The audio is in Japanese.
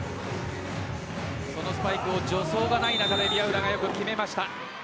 そのスパイクを助走がない中で宮浦がよく決めました。